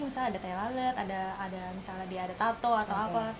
misalnya ada telalat misalnya dia ada tato atau apa